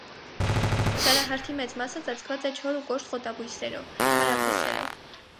Սարահարթի մեծ մասը ծածկված է չոր ու կոշտ խոտաբույսերով, քարաքոսերով։